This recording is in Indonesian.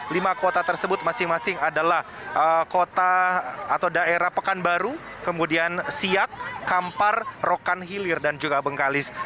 lima kota tersebut masing masing adalah kota atau daerah pekanbaru kemudian siak kampar rokan hilir dan juga bengkalis